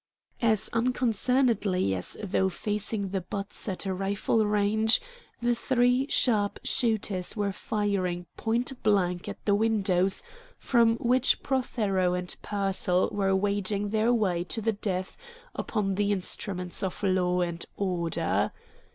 As unconcernedly as though facing the butts at a rifle range, the three sharp shooters were firing point blank at the windows from which Prothero and Pearsall were waging their war to the death upon the instruments of law and order.